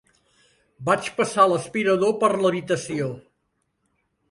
Vaig passar l'aspirador per l'habitació.